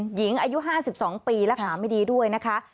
หญิงอายุ๕๒ปีและขาไม่ดีด้วยนะคะ